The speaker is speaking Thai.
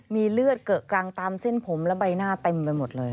มีเลือดเกอะกรังตามเส้นผมและใบหน้าเต็มไปหมดเลย